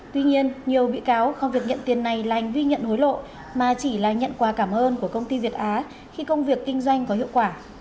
tuy nhiên nhiều bị cáo không việc nhận tiền này là hành vi nhận hối lộ mà chỉ là nhận quà cảm ơn của công ty việt á khi công việc kinh doanh có hiệu quả